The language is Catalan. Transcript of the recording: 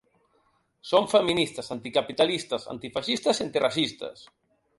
Som feministes, anticapitalistes, antifeixistes i antiracistes.